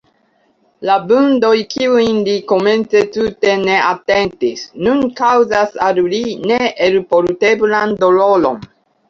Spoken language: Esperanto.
La vundoj, kiujn li komence tute ne atentis, nun kaŭzas al li neelporteblan doloron.